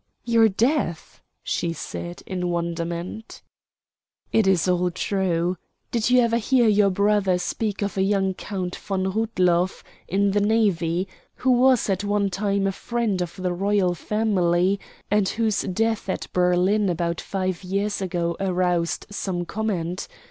"Your death?" she said in wonderment. "It is all true. Did you ever hear your brother speak of a young Count von Rudloff, in the navy, who was at one time a friend of the Royal Family, and whose death at Berlin about five years ago aroused some comment?